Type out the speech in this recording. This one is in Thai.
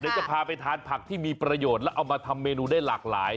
เดี๋ยวจะพาไปทานผักที่มีประโยชน์แล้วเอามาทำเมนูได้หลากหลาย